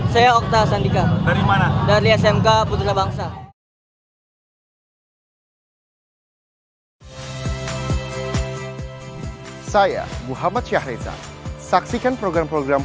saya okta sandika dari mana dari smk putra bangsa saya muhammad syahrezan saksikan program program